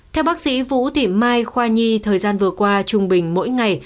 theo bác sĩ vũ thị mai khoa nhi thời gian vừa qua trung bình mỗi ngày